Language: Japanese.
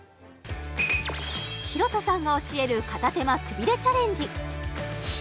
廣田さんが教える片手間くびれチャレンジ